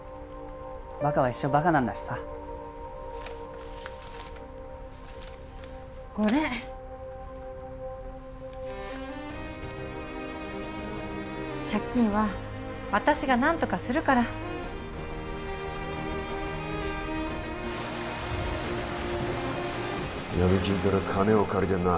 バカは一生バカなんだしさこれ借金は私が何とかするからヤミ金から金を借りてるな